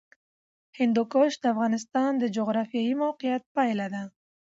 هندوکش د افغانستان د جغرافیایي موقیعت پایله ده.